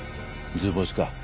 図星か。